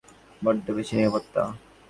বড্ডো বেশি নিরাপত্তা।